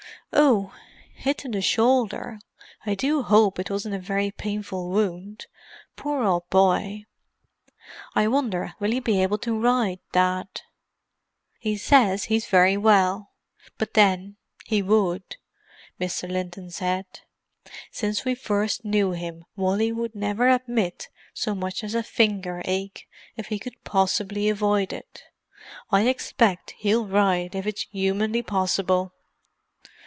"Oh—hit in the shoulder. I do hope it wasn't a very painful wound—poor old boy. I wonder will he be able to ride, Dad?" "He says he's very well. But then, he would," Mr. Linton said. "Since we first knew him Wally would never admit so much as a finger ache if he could possibly avoid it. I expect he'll ride if it's humanly possible!"